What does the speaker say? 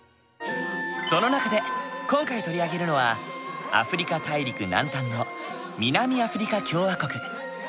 その中で今回取り上げるのはアフリカ大陸南端の南アフリカ共和国。